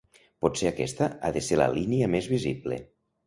Potser aquesta ha de ser la línia més visible.